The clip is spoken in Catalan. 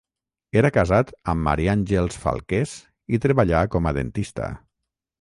Era casat amb Maria Àngels Falqués i treballà com a dentista.